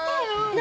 何？